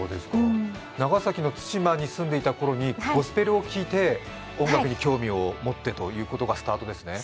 長崎の対馬に住んでいた頃にゴスペルを聴いて音楽に興味を持ってというのがスタートですね。